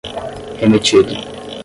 remetido